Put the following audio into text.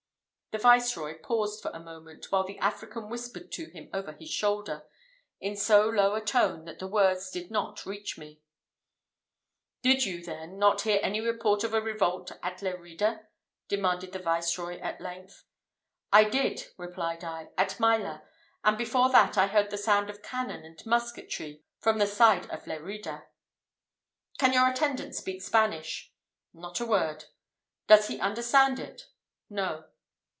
The viceroy paused for a moment, while the African whispered to him over his shoulder, in so low a tone that the words did not reach me. "Did you, then, not hear any report of a revolt at Lerida?" demanded the viceroy, at length. "I did," replied I, "at Meila; and before that I heard the sound of cannon and musketry from the side of Lerida." "Can your attendant speak Spanish?" "Not a word." "Does he understand it?" "No."